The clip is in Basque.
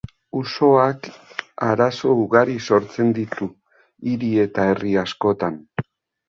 Usoak arazo ugari sortzen ditu hiri eta herri askotan.